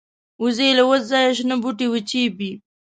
وزې له وچ ځایه شنه بوټي وچيبي